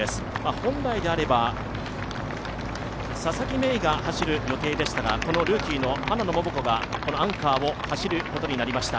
本来であれば佐々木芽衣が走る予定でしたがこのルーキーの花野桃子がアンカーを走ることになりました。